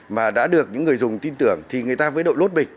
và đã được những người dùng tin tưởng thì người ta mới đổi lốt mình